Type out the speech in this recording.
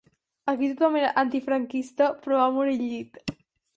Aquí tothom era antifranquista, però va morir al llit.